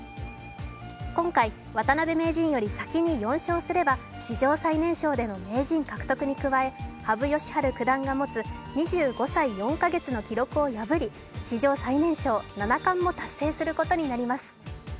今回渡辺名人より先に４勝すれば史上最年少での名人獲得に加え、羽生善治九段が持つ２５歳４か月の記録を破り史上最年少七冠も達成することになります。